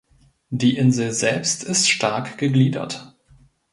Die Insel selbst ist stark gegliedert.